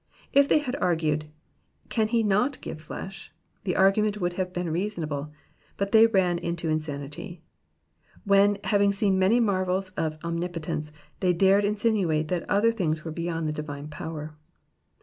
If they had argued, "can he not give flesh ?^' the argument would have been reasonable, but they ran into insanity ; when, having seen many marvels of omnipotence, they dared to insinuate that other things were beyond the divine power.